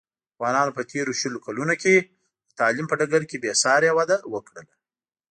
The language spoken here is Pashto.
افغانانو په تېرو شلو کلونوکې د تعلیم په ډګر کې بې ساري وده وکړله.